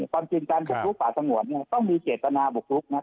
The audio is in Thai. ตอนจีนการบุกลุกป่าสงวนต้องมีเกตนาบุกลุกนะ